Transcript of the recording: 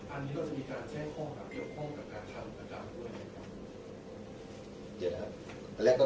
อันนี้ก็จะมีการแช่งข้อหลักเกี่ยวข้องกับการทำกันกันด้วยไหมครับ